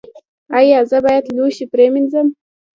ایا زه باید لوښي پریمنځم؟